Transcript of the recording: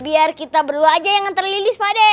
biar kita berdua aja yang nganter lilis pak d